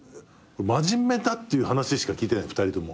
真面目だっていう話しか聞いてない２人とも。